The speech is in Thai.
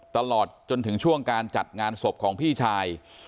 ตลอดจนถึงช่วงการจัดงานศพของพี่ชาย